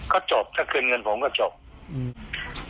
ก็จบถ้าขึ้นเงินผมก็จบ